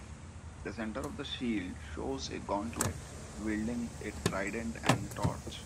The center of the shield shows a gauntlet wielding a trident and a torch.